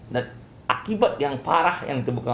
dan akibat yang parah yang terbuka